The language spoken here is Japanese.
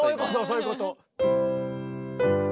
そういうこと！